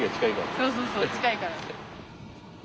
そうそうそう近いから。